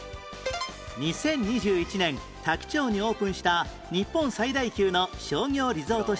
２０２１年多気町にオープンした日本最大級の商業リゾート施設